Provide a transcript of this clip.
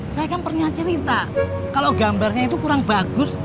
saya kan pernah cerita kalau gambarnya itu kurang bagus